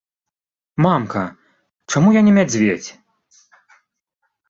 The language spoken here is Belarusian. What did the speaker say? Мамка, чаму я не мядзведзь?